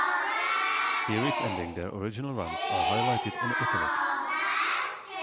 Series ending their original runs are highlighted in "italics".